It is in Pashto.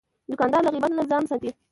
دوکاندار له غیبت نه ځان ساتي.